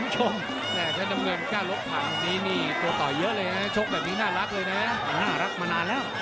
เจอมัดแต่มีแค่งขวา